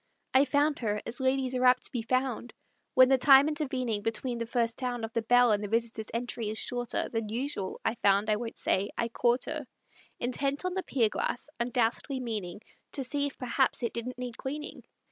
I found her as ladies are apt to be found, When the time intervening between the first sound Of the bell and the visitor's entry is shorter Than usual I found; I won't say I caught her, Intent on the pier glass, undoubtedly meaning To see if perhaps it didn't need cleaning.